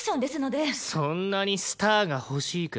そんなにスターが欲しいか？